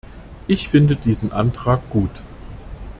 Ich finde diesen Antrag gut.